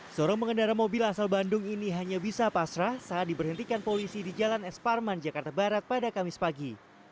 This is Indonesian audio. seorang pengendara mobil asal bandung ini hanya bisa pasrah saat diberhentikan polisi di jalan es parman jakarta barat pada kamis pagi